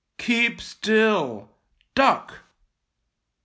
" Keep still — duck."